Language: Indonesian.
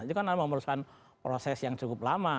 itu kan harus memperlukan proses yang cukup lama